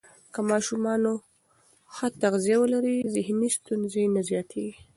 که ماشومان ښه تغذیه ولري، ذهني ستونزې نه زیاتېږي.